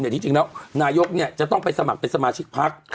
ที่จริงแล้วนายกจะต้องไปสมัครเป็นสมาชิกพัก